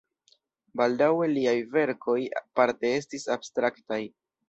Baldaŭe liaj verkoj parte estis abstraktaj.